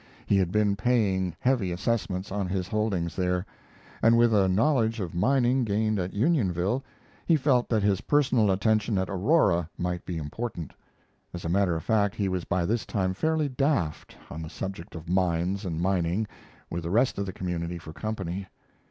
He had been paying heavy assessments on his holdings there; and, with a knowledge of mining gained at Unionville, he felt that his personal attention at Aurora might be important. As a matter of fact, he was by this time fairly daft on the subject of mines and mining, with the rest of the community for company.